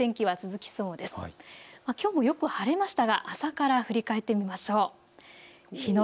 きょうもよく晴れましたが朝から振り返ってみましょう。